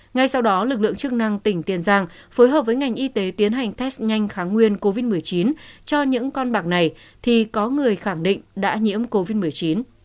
ngay sau đó lực lượng chức năng tỉnh tiền giang phối hợp với ngành y tế tiến hành test nhanh kháng nguyên covid một mươi chín cho những con bạc này thì có người khẳng định đã nhiễm covid một mươi chín